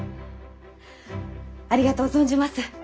ありがとう存じます。